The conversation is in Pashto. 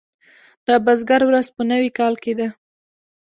د بزګر ورځ په نوي کال کې ده.